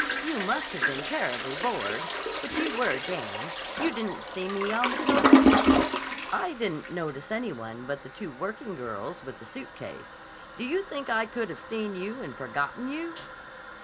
"You must have been terribly bored. But you were game. You didn't see me on the coach?" "I didn't notice any one but the two working girls with the suitcase. Do you think I could have seen you and forgotten you?"